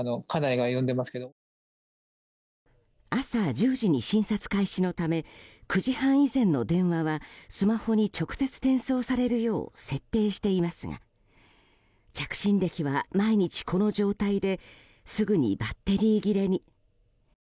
朝１０時に診察開始のため９時半以前の電話はスマホに直接転送されるよう設定していますが着信歴は、毎日この状態ですぐにバッテリー切れに。